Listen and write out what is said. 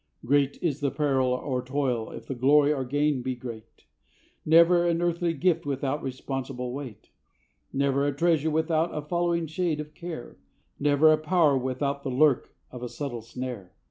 Great is the peril or toil if the glory or gain be great; Never an earthly gift without responsible weight; Never a treasure without a following shade of care; Never a power without the lurk of a subtle snare.